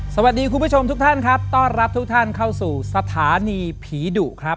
คุณผู้ชมทุกท่านครับต้อนรับทุกท่านเข้าสู่สถานีผีดุครับ